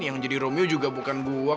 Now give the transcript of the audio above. yang jadi romeo juga bukan gue